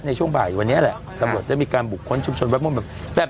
ในช่วงบ่ายวันนี้แหละตำรวจได้มีการบุคคลชุมชนวัดม่วงแบบ